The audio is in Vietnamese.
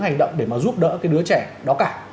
hành động để mà giúp đỡ cái đứa trẻ đó cả